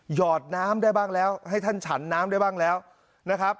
หอดน้ำได้บ้างแล้วให้ท่านฉันน้ำได้บ้างแล้วนะครับ